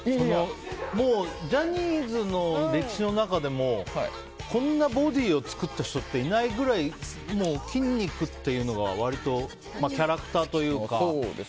もう、ジャニーズの歴史の中でもこんなボディーを作った人っていないぐらいもう筋肉っていうのが割とキャラクターというか。